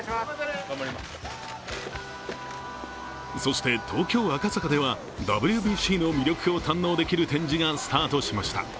そして東京・赤坂ではＷＢＣの魅力を堪能できる展示がスタートしました。